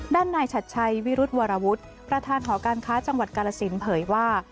ด้านนายชัดชัยวิรุธวรวุฒิประธานหอการค้าจังหวัดกาลสินเผยว่า